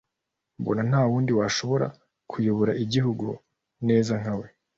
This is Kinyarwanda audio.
“Mbona nta wundi washobora kuyobora igihugu neza nka we